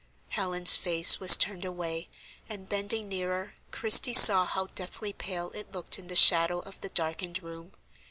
Helen's face was turned away, and, bending nearer, Christie saw how deathly pale it looked in the shadow of the darkened room.